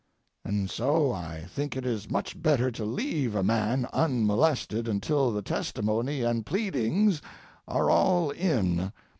And so I think it is much better to leave a man unmolested until the testimony and pleadings are all in.